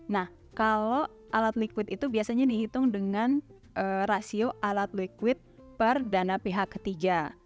nah kalau alat liquid itu biasanya dihitung dengan rasio alat liquid per dana pihak ketiga